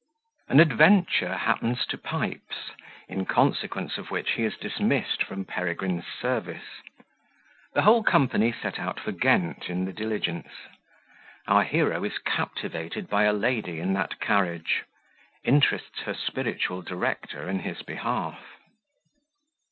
An Adventure happens to Pipes, in consequence of which he is dismissed from Peregrine's Service The whole Company set out for Ghent, in the Diligence Our Hero is captivated by a Lady in that Carriage Interests her spiritual Director in his behalf.